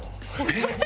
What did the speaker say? えっ？